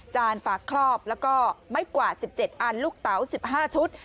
ฝากครอบแล้วก็ไม่กว่า๑๗อันลูกเต๋า๑๕ชุด